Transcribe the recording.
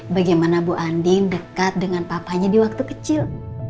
bagaimana bu andin dekat dengan papanya di waktu kecil